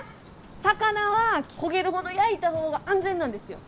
魚は焦げるほど焼いた方が安全なんですよ。